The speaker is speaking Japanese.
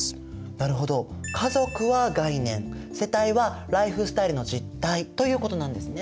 なるほど家族は概念世帯はライフスタイルの実態ということなんですね。